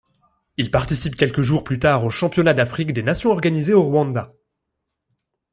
Il participe quelques jours plus tard au championnat d'Afrique des nations organisé au Rwanda.